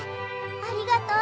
ありがとう！